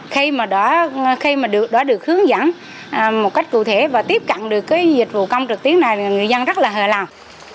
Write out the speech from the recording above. khi mà đó khi mà đó được hướng dẫn một cách cụ thể và tiếp cận được cái dịch vụ công trực tuyến này thì người dân rất là hờ lòng